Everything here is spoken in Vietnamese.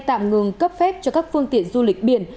tạm ngừng cấp phép cho các phương tiện du lịch biển